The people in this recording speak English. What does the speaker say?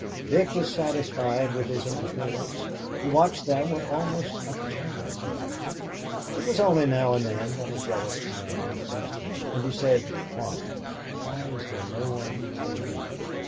Dick was satisfied with his interference. He watched them with almost a paternal feeling. It was only now and then that a jealous pang seized him, and he said, "Why, why is there no one for me?